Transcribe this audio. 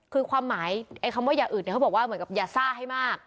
คือความหมายไอ้คำว่าอย่าอืดเนรนก็บอกว่าอย่าซ่าให้มาก